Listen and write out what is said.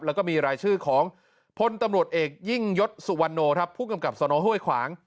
แล้วก็มีรายชื่อของพตเอกยิ่งยศสุวันนโหผู้กำกับสนฮ่วยขวาง